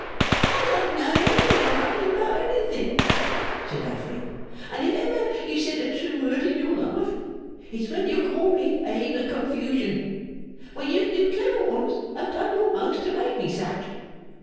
'I don't know nothing rightly about anything,' said Affery; 'and if ever you said a true word in your life, it's when you call me a heap of confusion, for you two clever ones have done your most to make me such.